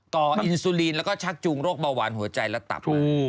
อินซูลีนแล้วก็ชักจูงโรคเบาหวานหัวใจและตับ